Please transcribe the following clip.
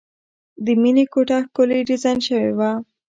د مینې کوټه ښکلې ډیزاین شوې وه